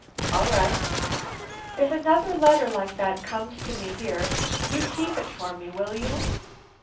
"All right." "If another letter like that comes to me here, you keep it for me, will you?"